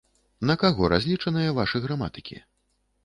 На каго разлічаныя вашы граматыкі?